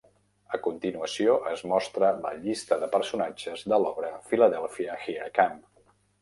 A continuació es mostra la llista de personatges de l'obra "Philadelphia, Here I Come!".